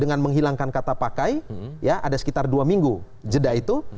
dengan menghilangkan kata pakai ya ada sekitar dua minggu jeda itu